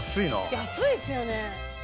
安いですよね。